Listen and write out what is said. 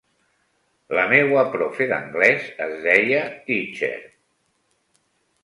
La meua profe d’anglès es deia “Teacher”.